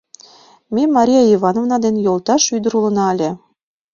Ме Мария Ивановна дене йолташ ӱдыр улына ыле.